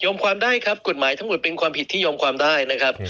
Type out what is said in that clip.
ความได้ครับกฎหมายทั้งหมดเป็นความผิดที่ยอมความได้นะครับ